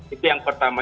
itu yang pertama